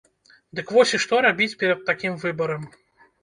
Дык вось і што рабіць перад такім выбарам?